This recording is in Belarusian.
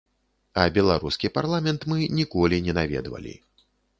А беларускі парламент мы ніколі не наведвалі.